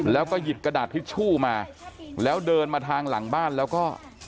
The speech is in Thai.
แล้วก็หยิบกระดาษทิชชู่มาแล้วเดินมาทางหลังบ้านแล้วก็